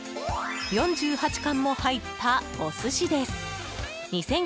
４８貫も入った、お寿司です。